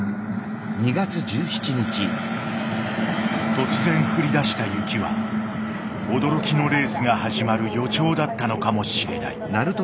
突然降り出した雪は驚きのレースが始まる予兆だったのかもしれない。